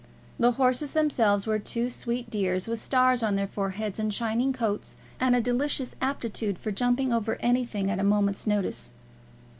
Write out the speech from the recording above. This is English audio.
The horses themselves were two sweet dears, with stars on their foreheads, and shining coats, and a delicious aptitude for jumping over everything at a moment's notice.